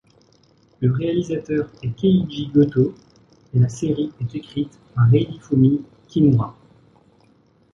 Le réalisateur est Keiji Gotoh et la série est écrite par Hidefumi Kimura.